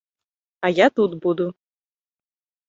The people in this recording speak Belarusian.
А я тут буду.